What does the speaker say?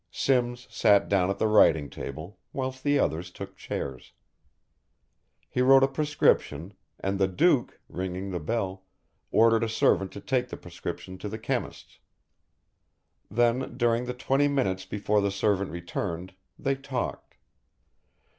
Simms sat down at the writing table, whilst the others took chairs. He wrote a prescription, and the Duke, ringing the bell, ordered a servant to take the prescription to the chemists. Then during the twenty minutes before the servant returned they talked.